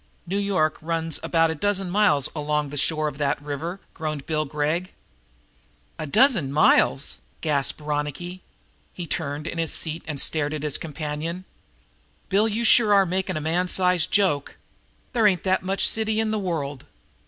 "New York runs about a dozen miles along the shore of that river," groaned Bill Gregg. "A dozen miles!" gasped Ronicky. He turned in his seat and stared at his companion. "Bill, you sure are making a man sized joke. There ain't that much city in the world.